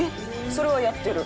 それはやってる。